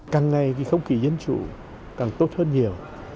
càng ngày cái khống kỳ dân chủ càng tốt hơn nhiều